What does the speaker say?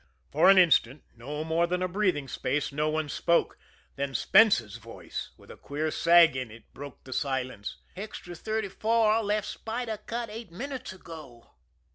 For an instant, no more than a breathing space, no one spoke; then Spence's voice, with a queer sag in it, broke the silence: "Extra Thirty four left Spider Cut eight minutes ago."